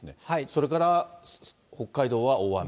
それから北海道は大雨。